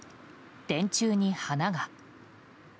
電柱に花が。